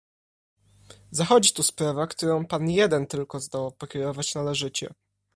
"Zachodzi tu sprawa, którą pan jeden tylko zdoła pokierować należycie."